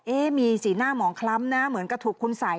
มีสีหน้าหมองคล้ำนะเหมือนกับถูกคุณสัย